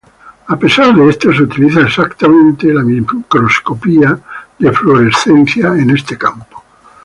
A pesar de esto, se utiliza extensamente la microscopía de fluorescencia en este campo.